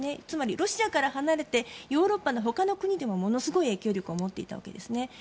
つまりロシアから離れてヨーロッパのほかの国でもものすごい影響力を持っていたわけですね。